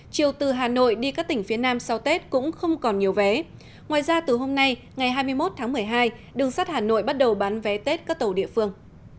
chiều từ hà nội đi các tỉnh phía nam sau tết cũng không còn nhiều vé ngoài ra từ hôm nay ngày hai mươi một tháng một mươi hai đường sắt hà nội bắt đầu bán vé tết các tàu địa phương